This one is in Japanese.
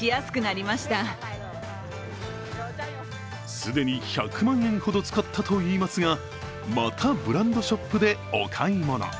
既に１００万円ほど使ったといいますがまたブランドショップでお買い物。